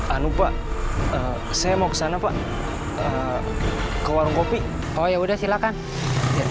anu pak saya mau ke sana pak ke warung kopi oh ya udah silakan ya